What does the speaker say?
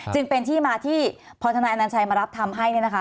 จึงเป็นที่มาที่พอทนายอนัญชัยมารับทำให้เนี่ยนะคะ